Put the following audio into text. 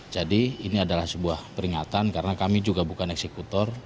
ini adalah sebuah peringatan karena kami juga bukan eksekutor